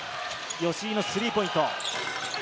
吉井のスリーポイント。